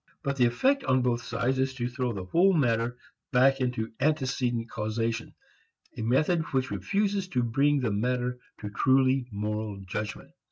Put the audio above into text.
But the effect on both sides is to throw the whole matter back into antecedent causation, a method which refuses to bring the matter to truly moral judgment.